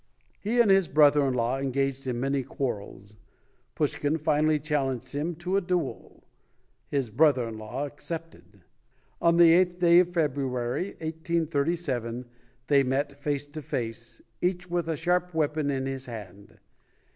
He and his brother in law engaged in many quarrels. Pushkin finally challenged him to a duel, His brother in law accepted. On the eighth of February, 1837, they met face to face, each with a sharp weapon in his hand.